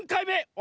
お！